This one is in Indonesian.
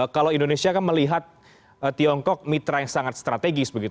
kalau indonesia kan melihat tiongkok mitra yang sangat strategis